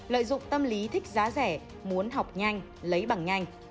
lợi dụng tâm lý thích giá rẻ muốn học nhanh lấy bằng nhanh